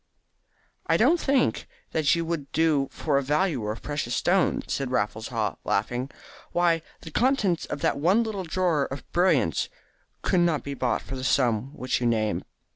"I don't think that you would do for a valuer of precious stones," said Raffles Haw, laughing. "Why, the contents of that one little drawer of brilliants could not be bought for the sum which you name.